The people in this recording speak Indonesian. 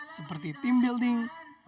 seperti team building